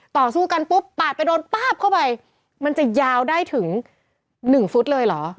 ต่อสู้กันปุ๊บปาดไปโดนป๊าบเข้าไปมันจะยาวได้ถึง๑ฟุตเลยเหรอ